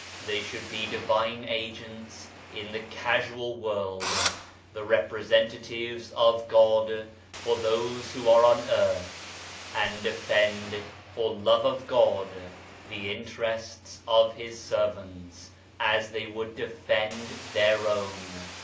They should be divine agents in the casual world, the representatives of God for those who arc on earth, and defend for love of God the interests of His servants as they would defend their own."